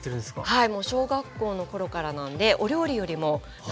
はい。